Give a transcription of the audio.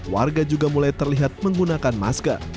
warga juga mulai terlihat menggunakan masker